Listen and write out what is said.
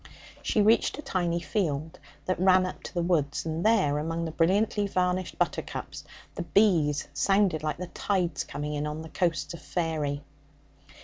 She reached a tiny field that ran up to the woods, and there, among the brilliantly varnished buttercups, the bees sounded like the tides coming in on the coasts of faery.